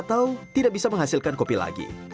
atau tidak bisa menghasilkan kopi lagi